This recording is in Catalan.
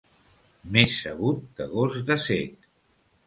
Més sabut que gos de cec.